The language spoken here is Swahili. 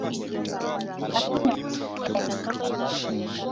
lakini wakiingia libya kwenyewe